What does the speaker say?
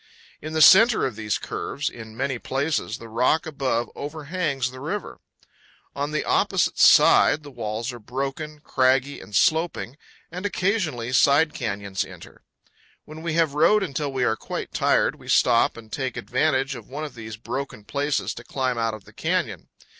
In the center of these curves, in many places, the rock above overhangs the river. On the opposite side the walls are broken, craggy, and sloping, and occasionally side canyons enter. When we have rowed until we are quite tired we stop and take advantage of one of these broken places to climb out of the canyon.